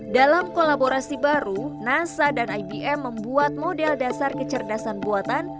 dalam kolaborasi baru nasa dan ibm membuat model dasar kecerdasan buatan